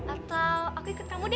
atau aku ikut kamu deh